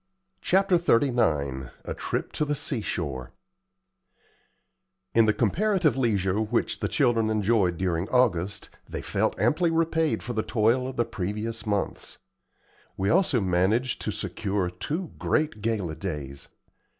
CHAPTER XXXIX A TRIP TO THE SEASHORE In the comparative leisure which the children enjoyed during August, they felt amply repaid for the toil of the previous months. We also managed to secure two great gala days.